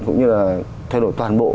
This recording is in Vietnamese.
cũng như là thay đổi toàn bộ